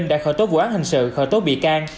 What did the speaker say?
đã khởi tố vụ án hình sự khởi tố bị can